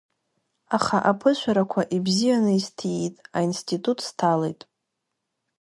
Аха аԥышәарақәа ибзианы исҭиит, аинститут сҭалеит.